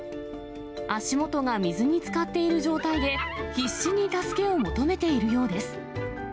足元が水につかっている状態で、必死に助けを求めているようです。